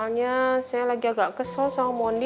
soalnya saya lagi agak kesel sama mondi